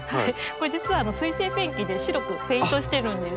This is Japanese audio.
これ実は水性ペンキで白くペイントしてるんです。